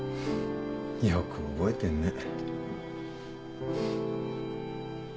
よく覚えてんね。